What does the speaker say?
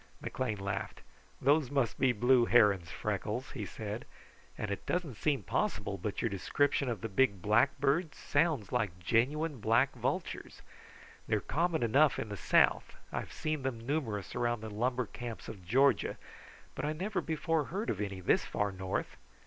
McLean laughed. "Those must be blue herons, Freckles," he said. "And it doesn't seem possible, but your description of the big black birds sounds like genuine black vultures. They are common enough in the South. I've seen them numerous around the lumber camps of Georgia, but I never before heard of any this far north.